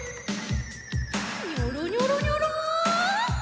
ニョロニョロニョロ。